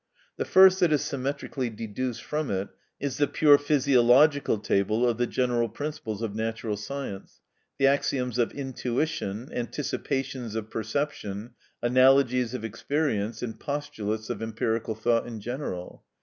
The first that is symmetrically deduced from it is the pure physiological table of the general principles of natural science—the axioms of intuition, anticipations of perception, analogies of experience, and postulates of empirical thought in general.